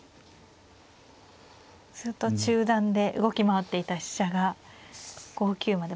ずっと中段で動き回っていた飛車が５九まで戻ってきましたね。